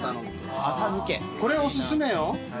これおすすめよ。